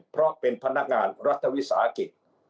เพราะเป็นพนักงานรัฐวิสาหกิจ